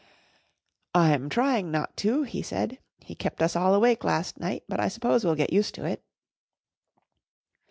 "I'm trying not to," he said. "He kept us all awake last night, but I suppose we'll get used to it."